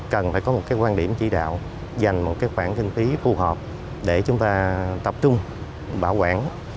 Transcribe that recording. cần phải có một cái quan điểm chỉ đạo dành một cái khoản kinh phí phù hợp để chúng ta tập trung bảo quản